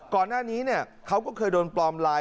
ก่อนหน้านี้เขาก็เคยโดนปลอมไลน์